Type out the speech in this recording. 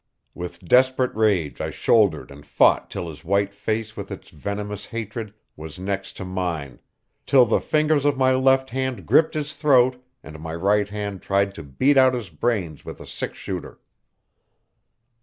With desperate rage I shouldered and fought till his white face with its venomous hatred was next to mine, till the fingers of my left hand gripped his throat, and my right hand tried to beat out his brains with a six shooter.